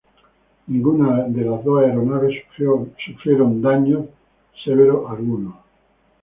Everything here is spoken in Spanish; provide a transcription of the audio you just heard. Ninguna de las dos aeronaves sufrió daño severo alguno.